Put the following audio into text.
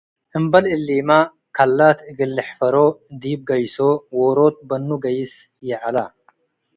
እምበል እሊመ፡ ከላት እግል ልሕፈሮ ዲብ ገይሶ ዎሮት በኑ ገይስ ይዐለ።